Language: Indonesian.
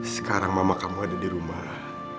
sekarang mama kamu ada dirumah